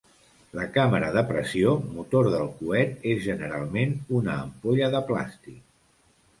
La càmera de pressió, motor del coet, és generalment una ampolla de plàstic.